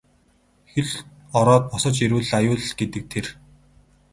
Хэл ороод босож ирвэл аюул гэдэг тэр.